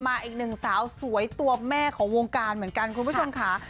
อีกหนึ่งสาวสวยตัวแม่ของวงการเหมือนกันคุณผู้ชมค่ะ